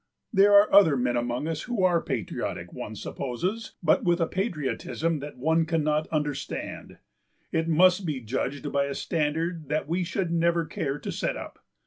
"There are other men among us who are patriotic, one supposes, but with a patriotism that one cannot understand; it must be judged by a standard that we should never care to set up.